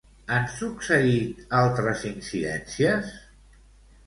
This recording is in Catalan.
Han succeït altres incidències?